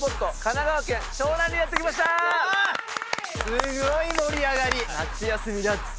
すごい盛り上がり。